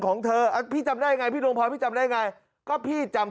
ของเธอพี่จำได้ยังไงพี่นงพอย์พี่จำได้ยังไงก็พี่จำ